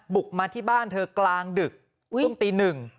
บุกมาที่บ้านเธอกลางดึกตรงตี๑